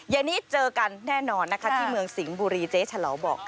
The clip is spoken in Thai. เย็นนี้เจอกันแน่นอนนะคะที่เมืองสิงห์บุรีเจ๊เฉลาวบอก